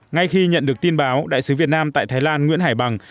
ngay khi nhận được tin báo đại sứ việt nam tại thái lan nguyễn hải bằng